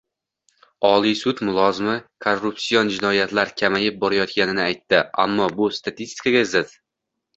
Oliy sud mulozimi korrupsion jinoyatlar kamayib borayotganini aytdi. Ammo bu statistikaga zid